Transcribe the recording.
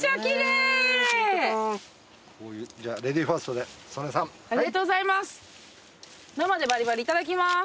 いただきます。